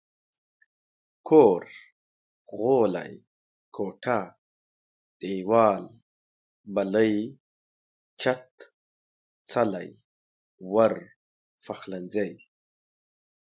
کور ، غولی، کوټه، ديوال، بلۍ، چت، څلی، ور، پخلنځي